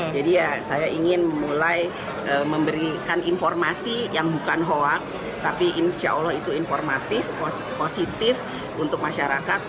jadi ya saya ingin mulai memberikan informasi yang bukan hoaks tapi insya allah itu informatif positif untuk masyarakat